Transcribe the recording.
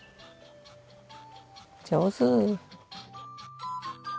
上手。